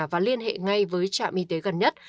và liên hệ ngay với trạm y tế gần nhất